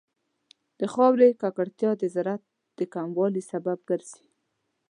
د خاورې ککړتیا د زراعت د کموالي سبب ګرځي.